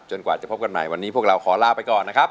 กว่าจะพบกันใหม่วันนี้พวกเราขอลาไปก่อนนะครับ